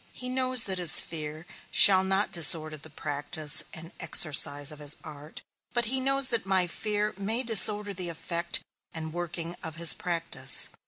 He knows that his fear shall not disorder the practice and exercise of his art, but he knows that my fear may disorder the effect and working of his practice.